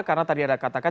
karena tadi anda katakan